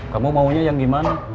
kamu maunya yang gimana